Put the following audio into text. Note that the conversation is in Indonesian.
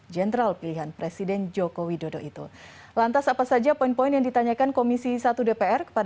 jenderal andika perkasa